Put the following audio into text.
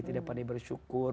tidak pandai bersyukur